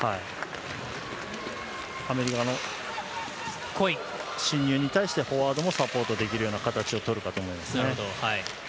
アメリカの侵入に対してフォワードもサポートできる形をとるかと思いますね。